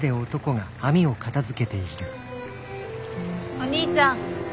お兄ちゃん。